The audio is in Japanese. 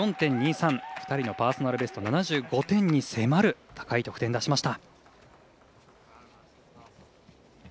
２人のパーソナルベスト７５点に迫る高い得点、出しました。